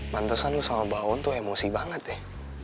mantesan lu sama mbak on tuh emosi banget deh